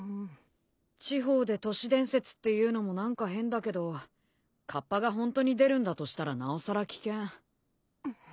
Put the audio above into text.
地方で都市伝説っていうのも何か変だけどかっぱがホントに出るんだとしたらなおさら危険。